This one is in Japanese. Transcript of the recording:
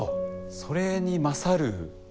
それに勝る